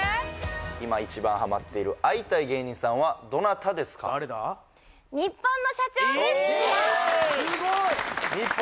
今一番ハマっている会いたい芸人さんはどなたですかニッポンの社長です！